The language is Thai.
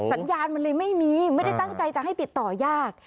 สัญญาณมันเลยไม่มีไม่ได้ตั้งใจจะให้ติดต่อยาก